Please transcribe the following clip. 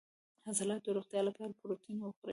د عضلاتو د روغتیا لپاره پروتین وخورئ